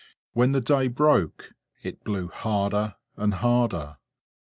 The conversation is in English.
When the day broke, it blew harder and harder.